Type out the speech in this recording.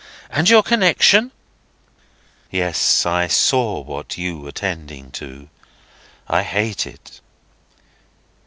and your connexion." "Yes; I saw what you were tending to. I hate it."